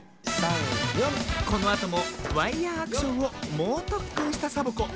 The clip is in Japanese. このあともワイヤーアクションをもうとっくんしたサボ子。